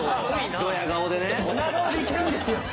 ドヤ顔でいけるんですよ。